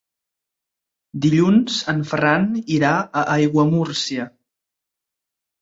Dilluns en Ferran irà a Aiguamúrcia.